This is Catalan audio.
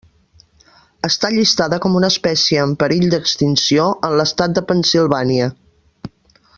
Està llistada com una espècie en perill d'extinció en l'estat de Pennsilvània.